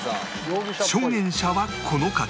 証言者はこの方